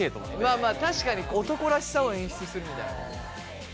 まあまあ確かに男らしさを演出するみたいなことか。